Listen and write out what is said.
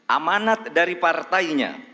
amanat dari partainya